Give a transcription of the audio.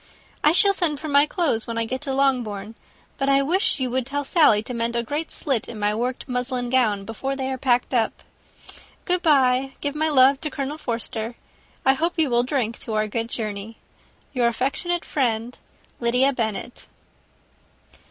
I shall send for my clothes when I get to Longbourn; but I wish you would tell Sally to mend a great slit in my worked muslin gown before they are packed up. Good bye. Give my love to Colonel Forster. I hope you will drink to our good journey. "Your affectionate friend, "LYDIA BENNET."